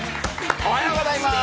おはようございます。